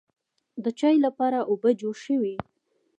د چایو لپاره اوبه جوش شوې.